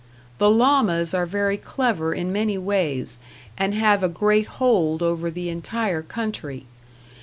The Lamas are very clever in many ways, and have a great hold over the entire country.